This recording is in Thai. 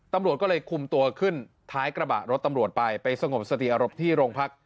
ตำรวจก็เลยคุมตัวขึ้นท้ายกระบะรถตำรวจไปไปสงบสติอารมณ์ที่โรงพัก